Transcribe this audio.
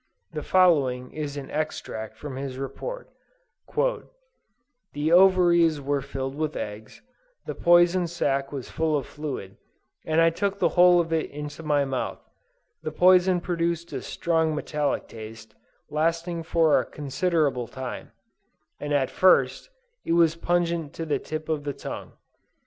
The following is an extract from his report: "The ovaries were filled with eggs; the poison sac was full of fluid, and I took the whole of it into my mouth; the poison produced a strong metallic taste, lasting for a considerable time, and at first, it was pungent to the tip of the tongue.